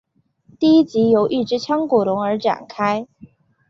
第一集由一只腔骨龙而展开。